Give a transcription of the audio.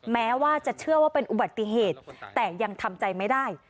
แม้ว่าจะเชื่อว่าเป็นอุบัติเหตุแต่ยังทำใจไม่ได้